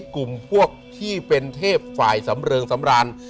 กลุ่มพวกที่เป็นเทพฝ่ายสำเริงสำราญ